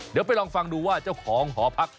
เดี๋ยวไปลองฟังดูว่าเจ้าของหอพัก